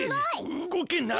うごけない。